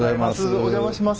お邪魔します。